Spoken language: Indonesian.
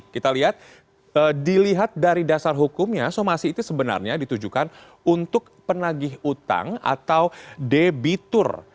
kita lihat dilihat dari dasar hukumnya somasi itu sebenarnya ditujukan untuk penagih utang atau debitur